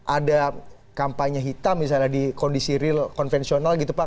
ada kampanye hitam misalnya di kondisi real konvensional gitu pak